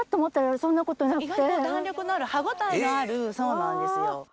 意外と弾力のある歯応えのあるそうなんですよ。